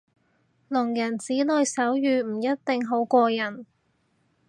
聾人子女手語唔一定好過人